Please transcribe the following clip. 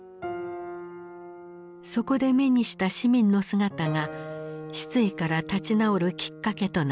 そこで目にした市民の姿が失意から立ち直るきっかけとなった。